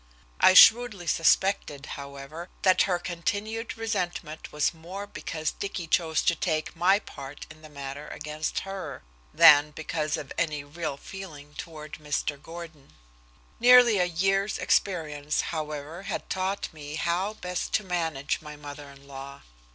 I shrewdly suspected, however, that her continued resentment was more because Dicky chose to take my part in the matter against her, than because of any real feeling toward Mr. Gordon. Nearly a year's experience, however, had taught me how best to manage my mother in law.